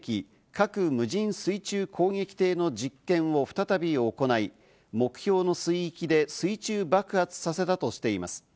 「核無人水中攻撃艇」の実験を再び行い、目標の水域で水中爆発させたとしています。